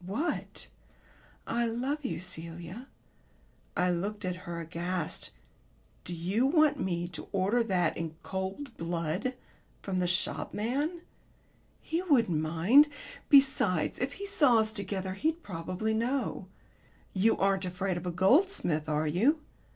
"What?" "'I love you, Celia.'" I looked at her aghast. "Do you want me to order that in cold blood from the shopman?" "He wouldn't mind. Besides, if he saw us together he'd probably know. You aren't afraid of a goldsmith, are you?"